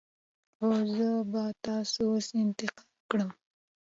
هو، زه به تاسو اوس انتقال کړم.